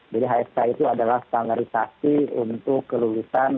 jadi hsk itu adalah stangerisasi untuk kelulusan